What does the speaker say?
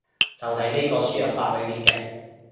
就係呢個輸入法裏面嘅